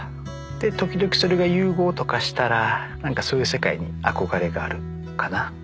時々それが融合とかしたら何かそういう世界に憧れがあるかな。